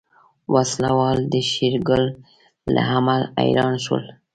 وسله وال د شېرګل له عمل حيران شول.